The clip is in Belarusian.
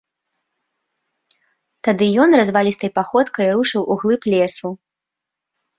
Тады ён развалістай паходкай рушыў у глыб лесу.